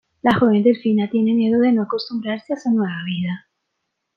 La joven delfina tiene miedo de no acostumbrarse a su nueva vida.